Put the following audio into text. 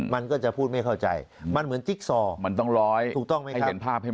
มันก็จะพูดไม่เข้าใจมันเหมือนจิ๊กซอร์มันต้องร้อยถูกต้องไหมครับให้เห็นภาพให้หมด